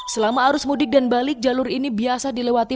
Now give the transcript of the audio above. selama arus mudik dan balik jalur ini biasa dilewati